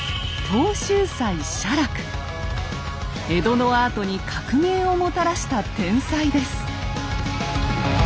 江戸のアートに革命をもたらした天才です。